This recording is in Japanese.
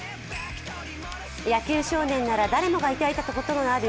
野球少年なら誰もが抱いたことのある、